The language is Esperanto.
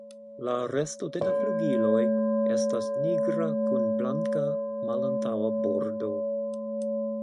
La resto de la flugiloj estas nigra kun blanka malantaŭa bordo.